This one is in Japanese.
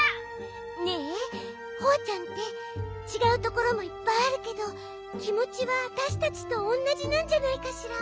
ねえホワちゃんってちがうところもいっぱいあるけどきもちはわたしたちとおんなじなんじゃないかしら。